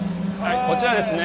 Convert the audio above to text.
こちらですね